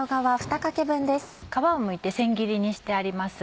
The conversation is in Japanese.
皮をむいて千切りにしてあります。